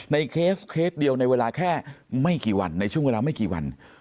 เคสเคสเดียวในเวลาแค่ไม่กี่วันในช่วงเวลาไม่กี่วัน